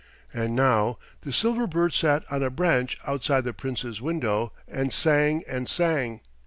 And now the silver bird sat on a branch outside the Princess's window and sang and sang.